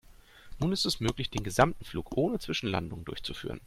Nun ist es möglich, den gesamten Flug ohne Zwischenlandungen durchzuführen.